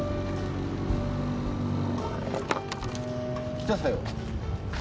来たさよ。